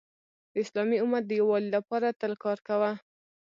د اسلامی امت د یووالي لپاره تل کار کوه .